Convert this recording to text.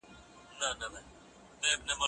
که لارښود خپلواکي ورنکړي شاګرد نه سي غوړېدلی.